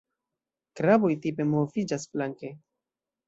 Kraboj tipe moviĝas flanke.